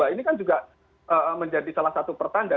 ini kan juga menjadi salah satu pertanda